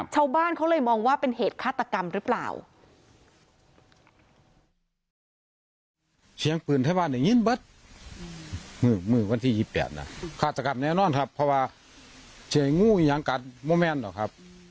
ชาวบ้านเขาเลยมองว่าเป็นเหตุฆาตกรรมหรือเปล่า